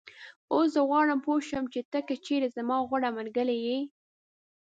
اوس زه غواړم پوی شم چې ته که چېرې زما غوره ملګری یې